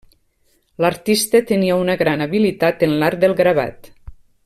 L'artista tenia una gran habilitat en l'art del gravat.